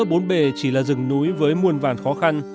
bốn bề chỉ là rừng núi với muôn vàn khó khăn